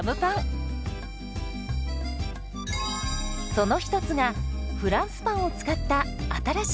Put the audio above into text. その一つがフランスパンを使った新しいジャムパンです。